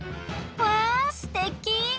わあすてき！